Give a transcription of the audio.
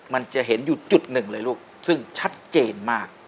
มันจะเห็นอยู่จุดหนึ่งเลยลูกซึ่งชัดเจนมาก